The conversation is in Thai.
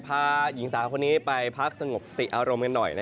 พาหญิงสาวคนนี้ไปพักสงบสติอารมณ์กันหน่อย